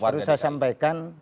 harus saya sampaikan